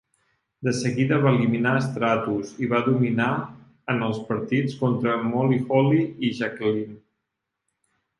De seguida va eliminar Stratus i va dominar en els partits contra Molly Holly i Jacqueline.